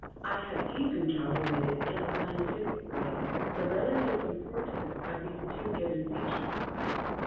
I had even calculated in a scientific way the relative importance of these two given features.